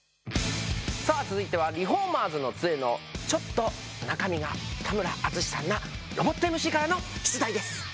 さあ続いては「リフォーマーズの杖」のちょっと中身が田村淳さんなロボットＭＣからの出題です。